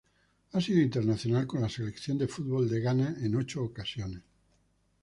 Ha sido internacional con la Selección de fútbol de Ghana en ocho ocasiones.